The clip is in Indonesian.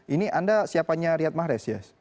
ini anda siapanya riyad mahrez ya